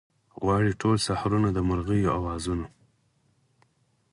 غواړي ټوله سحرونه د مرغیو اوازونه